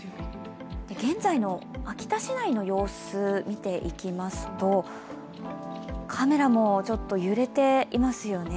現在の秋田市内の様子を見ていきますと、カメラもちょっと揺れていますよね。